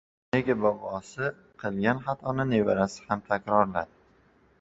Nega bobosi qilgan xatoni nevarasi ham takrorladi?